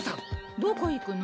どこ行くの？